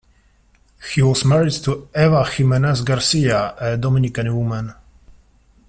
He was married to Eva Jimenez Garcia, a Dominican Woman.